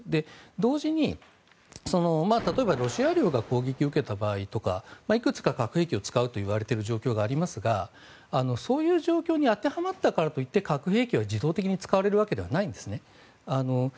同時に、例えばロシア領が攻撃を受けた場合とかいくつか核兵器を使われているといわれている状況がありますがそういう状況に当てはまったからといって核兵器を自動的に使われるわけではないんです。